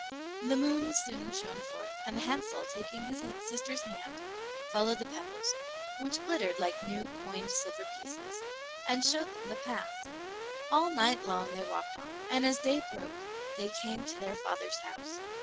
The moon soon shone forth, and Hansel, taking his sister's hand, followed the pebbles, which glittered like new coined silver pieces, and showed them the path. All night long they walked on, and as day broke they came to their father's house.